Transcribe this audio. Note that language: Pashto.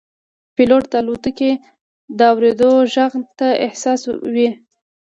پیلوټ د الوتکې د اورېدو غږ ته حساس وي.